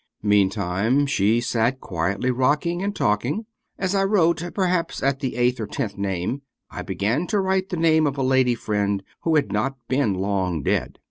Meantime she sat quietly rocking and talking. As I wrote, perhaps at the eighth or tenth name, I began to write the name of a lady friend who had not been long dead.